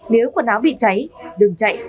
nếu quần áo bị cháy đừng chạy